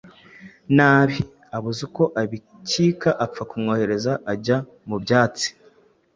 nabi!”Abuze uko abikika apfa kumwoheraza ajya mu basyi,